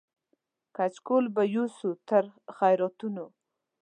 کچکول به یوسو تر خیراتونو